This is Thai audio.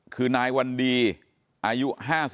คือนายวันดีอายุ๕๓